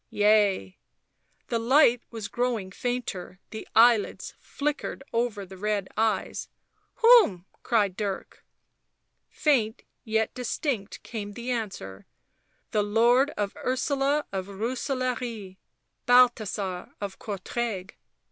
" Yea "; the light was growing fainter ; the eyelids flickered over the red eyes. u Whom ?" cried Dirk. Faint, yet distinct came the answer : 11 The Lord of Ursula of Rooselaare, Balthasar of Courtrai."